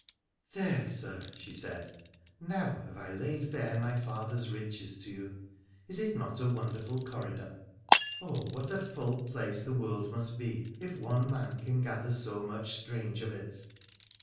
' There, Sir,' she said, ' now I have laid bare my father'! riches to you. Is it not a wonderful corridor ? Oh ! what i full place the world must be, if one man can gather so mucr strange of it